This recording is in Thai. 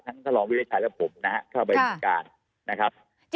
ทั้งทะลองวิทยาชัยและผมนะครับเข้าไปการนะครับ